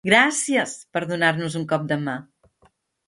Gràcies per donar-nos un cop de mà!